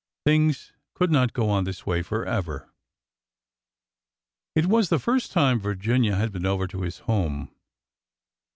Things could not go on this way forever. It was the first time Virginia had been over to his home.